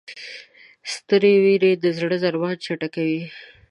سترې وېرې د زړه ضربان چټکوي.